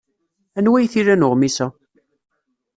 Anwa ay t-ilan uɣmis-a?